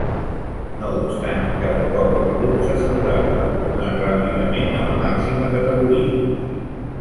No obstant, cada cop el club s'assegurava de tornar ràpidament a la màxima categoria.